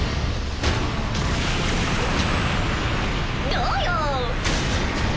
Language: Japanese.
どうよ！